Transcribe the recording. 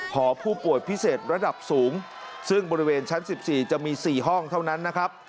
หอผู้ป่วยพิเศษระดับสูงซึ่งบริเวณชั้น๑๔จะมี๔ห้องเท่านั้นนะครับ